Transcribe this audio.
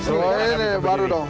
oh ini baru dong